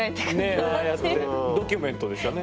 ドキュメントでしたね。